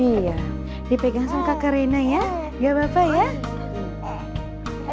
iya dipegang sama kak karena ya gak apa apa ya